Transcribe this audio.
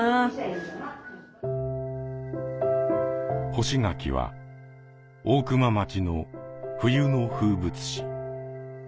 干し柿は大熊町の冬の風物詩。